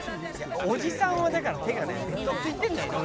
おじさんはだから手がねべとついてるんだよね